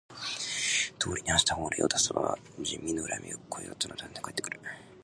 道理に反した法令を出せば人民の恨みの声となってはね返ってくる。